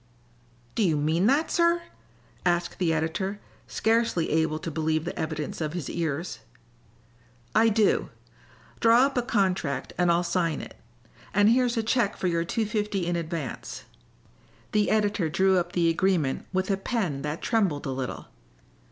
"Do you mean that, sir?" asked the editor, scarcely able to believe the evidence of his ears. "I do. Draw up a contract and I'll sign it. And here's a check for your two fifty in advance." The editor drew up the agreement with a pen that trembled a little.